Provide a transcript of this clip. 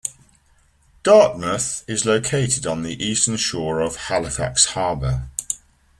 Dartmouth is located on the eastern shore of Halifax Harbour.